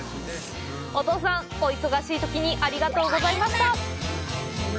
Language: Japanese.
お父さん、お忙しいときにありがとうございました！